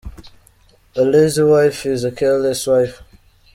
A lazy wife is a careless wife.